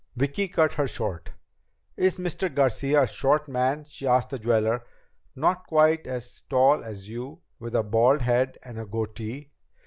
Vicki cut her short. "Is Mr. Garcia a short man," she asked the jeweler, "not quite as tall as you, with a bald head and a goatee?"